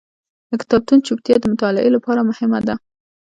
د کتابتون چوپتیا د مطالعې لپاره مهمه ده.